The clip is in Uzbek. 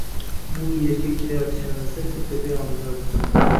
Bu erga kelayotganimizda, kultepa yonidan o`tdim